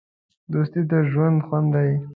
دوستي د ژوند خوند دی.